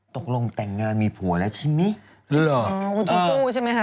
ตกลงแต่งงานมีผัวแล้วใช่มั้ย